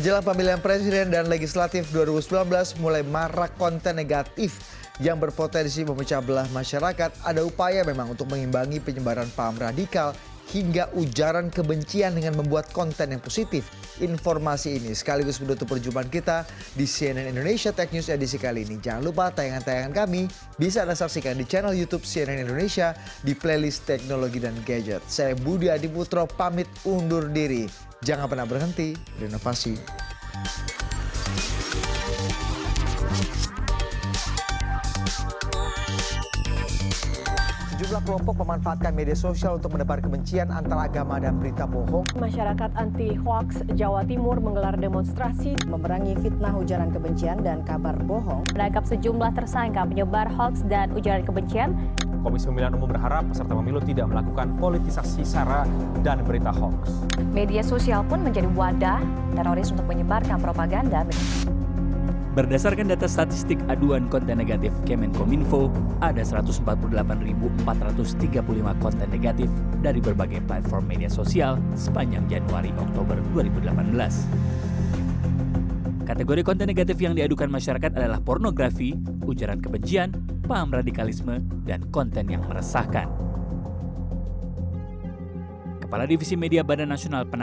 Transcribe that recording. jangan lupa like share dan subscribe channel ini untuk dapat info terbaru dari kami